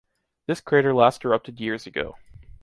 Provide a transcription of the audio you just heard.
This crater last erupted years ago.